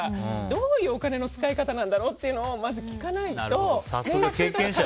どういうお金の使い方なんだろうっていうのをまず聞かないと。